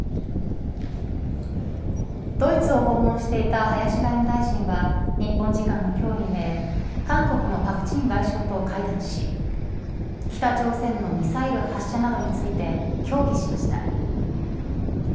ドイツを訪問していた林外務大臣は日本時間の今日未明韓国の朴振外相と会談し北朝鮮のミサイル発射などについて協議しました。